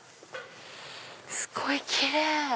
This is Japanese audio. すごいキレイ！